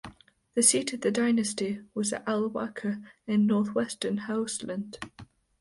The seat of the dynasty was at Alkalawa, in northwestern Hausaland.